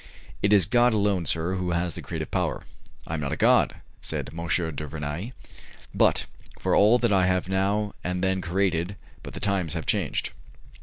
"It is God alone, sir, who has the creative power." "I am not a god," said M. du Vernai, "but for all that I have now and then created but the times have changed."